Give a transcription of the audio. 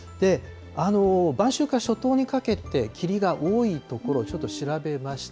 晩秋から初冬にかけて霧が多い所、ちょっと調べました。